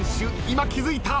今気付いた。